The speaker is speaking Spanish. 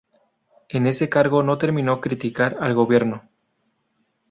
En ese cargo, no temió criticar al gobierno.